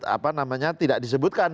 apa namanya tidak disebutkan